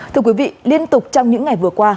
thưa quý vị liên tục trong những ngày vừa qua